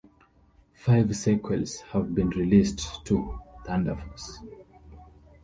Five sequels have been released to "Thunder Force".